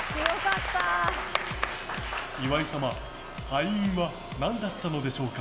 岩井様、敗因は何だったのでしょうか？